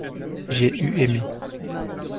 j'ai eu aimé.